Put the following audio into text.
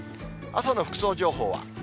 朝の服装情報は。